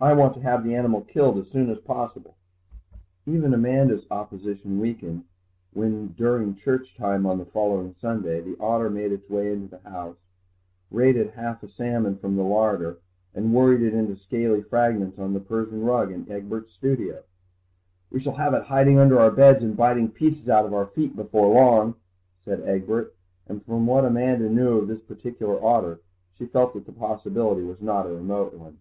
I want to have the animal killed as soon as possible." Even Amanda's opposition weakened when, during church time on the following Sunday, the otter made its way into the house, raided half a salmon from the larder and worried it into scaly fragments on the Persian rug in Egbert's studio. "We shall have it hiding under our beds and biting pieces out of our feet before long," said Egbert, and from what Amanda knew of this particular otter she felt that the possibility was not a remote one.